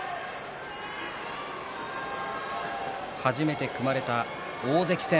初めて組まれた大関戦。